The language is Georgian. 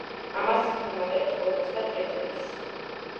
ამას ვუმატებთ ორმოცდათერთმეტს.